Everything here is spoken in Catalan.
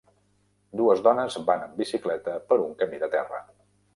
Dues dones van amb bicicleta per un camí de terra.